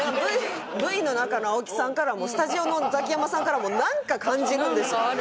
Ｖの中の青木さんからもスタジオのザキヤマさんからもなんか感じるんですよ。